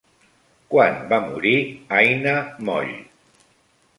Quan va morir Aina Moll?